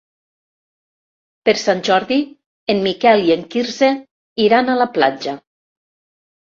Per Sant Jordi en Miquel i en Quirze iran a la platja.